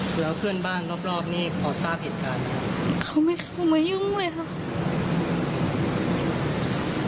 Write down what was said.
คือแล้วเพื่อนบ้านรอบนี่ออกซ่าผิดการนะเขาไม่เข้ามายุ่งเลยครับ